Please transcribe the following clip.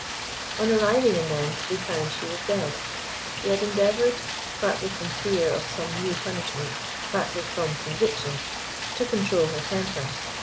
On arriving in them they found she was dead. She had endeavoured, partly from fear of some new punishment, partly from conviction, to control her temper.